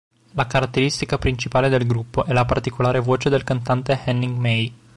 La caratteristica principale del gruppo è la particolare voce del cantante Henning May.